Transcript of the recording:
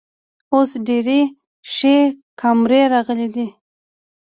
اوس ډیرې ښې کامرۍ راغلی ده